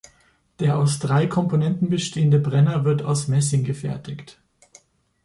Der aus drei Komponenten bestehende Brenner wird aus Messing gefertigt.